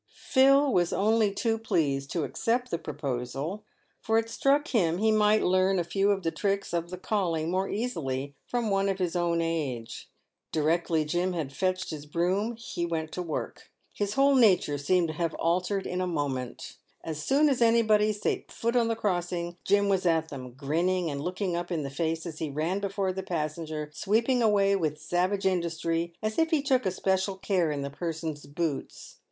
Phil was only too pleased to accept the proposal, for it struck him he might learn a few of the tricks of the calling more easily from one of his own age. Directly Jim had fetched his broom, he went to work. His whole nature seemed to have altered in a moment. As soon as anybody set foot on the crossing, Jim was at them, grinning and looking up in the face as he ran before the passenger, sweeping away with savage industry, as if he took especial care in the person's boots.